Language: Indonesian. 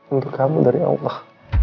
untuk kamu dari allah